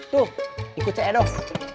tuh ikut cedoh